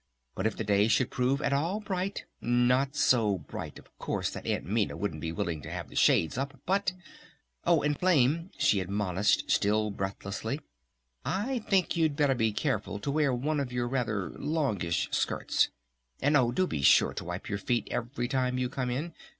But if the day should prove at all bright, not so bright of course that Aunt Minna wouldn't be willing to have the shades up, but Oh and Flame," she admonished still breathlessly, "I think you'd better be careful to wear one of your rather longish skirts! And oh do be sure to wipe your feet every time you come in!